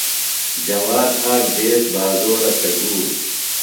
جواد آک دیس بازورہ تھےۡ گُوم.